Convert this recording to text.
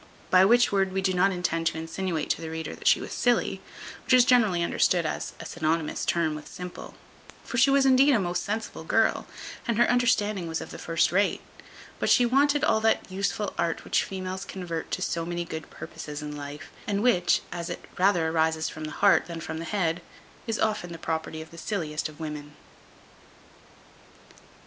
By which word we do not intend to insinuate to the reader, that she was silly, which is generally understood as a synonymous term with simple; for she was indeed a most sensible girl, and her understanding was of the first rate; but she wanted all that useful art which females convert to so many good purposes in life, and which, as it rather arises from the heart than from the head, is often the property of the silliest of women.